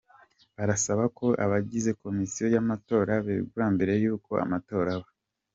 Barasaba ko abagize Komisiyo y’amatora begura mbere y’uko amatora aba.